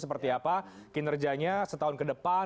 seperti apa kinerjanya setahun ke depan